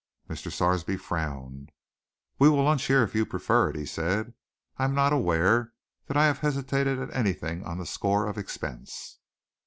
Mr. Sarsby frowned. "We will lunch here if you prefer it," he said. "I am not aware that I have hesitated at anything on the score of expense."